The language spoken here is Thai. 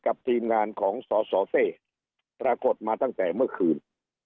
ทีมงานของสสเต้ปรากฏมาตั้งแต่เมื่อคืน